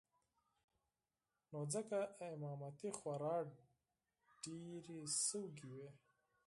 نو ځکه امامتې خورا ډېرې سوې وې.